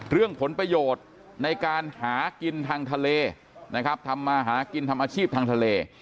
เรื่องผลประโยชน์ในการหากินทางทะเลนะครับทำมาหากินทำอาชีพทางทะเล